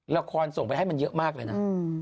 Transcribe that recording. ส่งไปให้มันเยอะมากเลยนะ